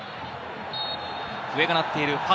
笛が鳴っている。